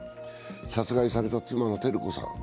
殺害された妻の照子さん